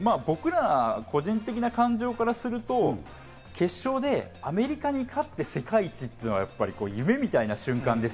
個人的な感情からすると、決勝でアメリカに勝って世界一というのが夢みたいな瞬間です。